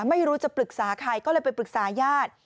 ไม่รู้จะปรึกษาใครก็เลยไปปรึกษาญาติ